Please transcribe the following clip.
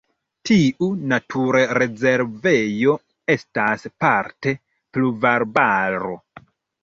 Tiu naturrezervejo estas parte pluvarbaro.